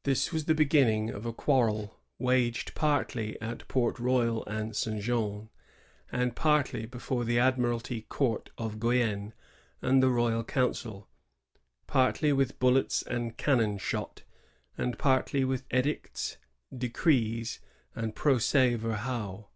^ This was the beginning of a quarrel waged partly at Port Royal and St. Jean, and partly before the admiralty court of Guienne and the royal council, partly with bullets and cannon shot, and partly with edicts, decrees, and procis verhaux.